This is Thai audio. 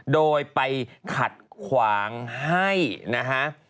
โดยไปขัดขวางให้นะฮะ